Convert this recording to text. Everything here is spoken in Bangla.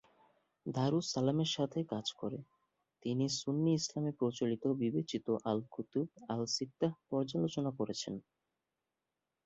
দার উস সালামের সাথে কাজ করে, তিনি সুন্নি ইসলামে প্রচলিত বিবেচিত আল-কুতুব আল-সিত্তাহ পর্যালোচনা করেছেন।